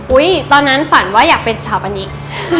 ตอนนั้นฝันว่าอยากเป็นสถาปนิก